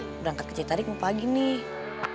soalnya kita udah angkat ke citarik mau pagi nih